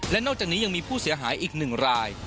และนอกจากนี้ยังมีผู้เสียหายอีก๑ราย